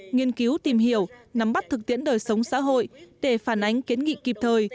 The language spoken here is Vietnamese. nghiên cứu tìm hiểu nắm bắt thực tiễn đời sống xã hội để phản ánh kiến nghị kịp thời